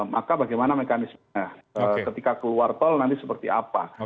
maka bagaimana mekanisme ketika keluar toll nanti seperti apa